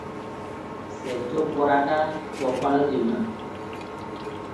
ଶେଜ ପରାଟା ଗୋପାଳ ଜିମା ।